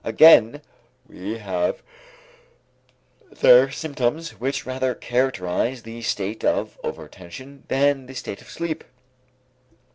Again we have there symptoms which rather characterize the state of over attention than the state of sleep.